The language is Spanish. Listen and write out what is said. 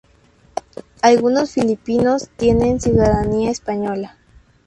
Algunos filipinos tienen ciudadanía española.